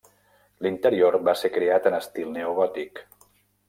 L'interior va ser creat en estil neogòtic.